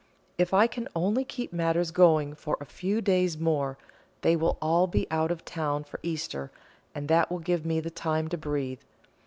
If I can only keep matters going for a few days more, they will all be out of town for Easter, and that will give me time to breathe.